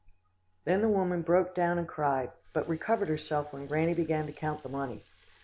"Then the woman broke down and cried, but recovered herself when Granny began to count the money.